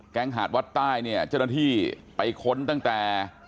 หาดวัดใต้เนี่ยเจ้าหน้าที่ไปค้นตั้งแต่